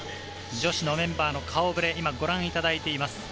女子のメンバーの顔ぶれをご覧いただいています。